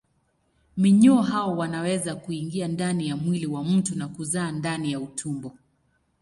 Minyoo hao wanaweza kuingia ndani ya mwili wa mtu na kuzaa ndani ya utumbo.